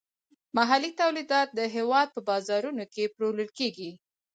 محلي تولیدات د هیواد په بازارونو کې پلورل کیږي.